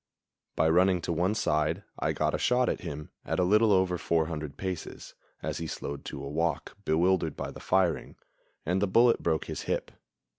By running to one side I got a shot at him at a little over 400 paces, as he slowed to a walk, bewildered by the firing, and the bullet broke his hip.